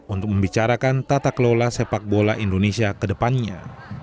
untuk membicarakan tata kelola sepak bola indonesia ke depannya